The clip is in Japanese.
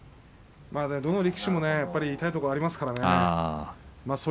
どの力士も痛いところがありますからね。